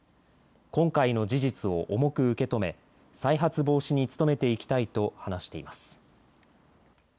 今回の事実を重く受け止め再発防止に努めていきたいと話しています。